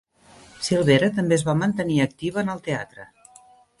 Silvera també es va mantenir activa en el teatre.